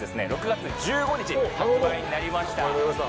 ６月１５日発売になりました。